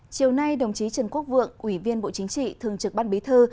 chiều nay đồng chí trần quốc vượng ủy viên bộ chính trị thường trực ban bí thư